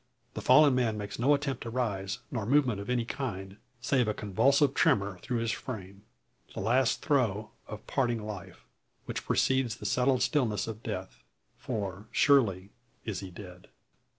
The fallen man makes no attempt to rise, nor movement of any kind, save a convulsive tremor through his frame; the last throe of parting life, which precedes the settled stillness of death. For surely is he dead.